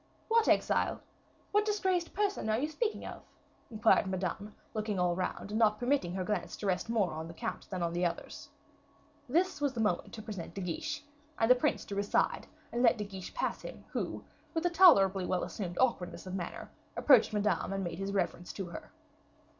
"What exile? what disgraced person are you speaking of?" inquired Madame, looking all round, and not permitting her glance to rest more on the count than on the others. This was the moment to present De Guiche, and the prince drew aside and let De Guiche pass him, who, with a tolerably well assumed awkwardness of manner, approached Madame and made his reverence to her.